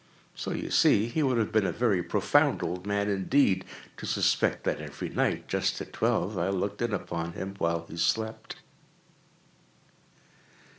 So you see he would have been a very profound old man, indeed, to suspect that every night, just at twelve, I looked in upon him while he slept.